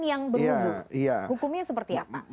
yang berujung hukumnya seperti apa